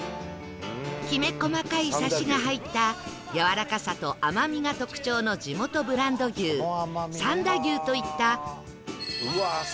きめ細かいさしが入ったやわらかさと甘みが特徴の地元ブランド牛三田牛といった国産の黒毛和牛など